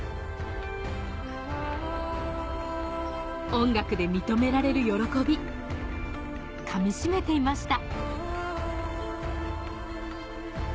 音楽で認められる喜びかみしめていました